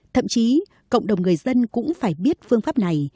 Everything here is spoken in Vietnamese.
thậm chí cộng đồng người dân cũng phải biết phương pháp này